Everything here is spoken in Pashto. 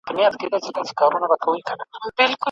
ړانده وګړي د دلبرو قدر څه پیژني